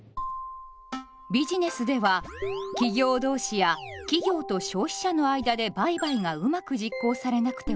ビジネスでは企業どうしや企業と消費者の間で売買がうまく実行されなくてはなりません。